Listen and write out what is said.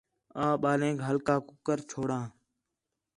آں ٻالینک ہکلا کُکر چھوڑاں